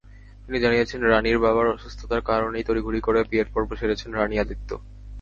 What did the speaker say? তিনি জানিয়েছেন, রানীর বাবার অসুস্থতার কারণেই তড়িঘড়ি করে বিয়ের পর্ব সেরেছেন রানী-আদিত্য।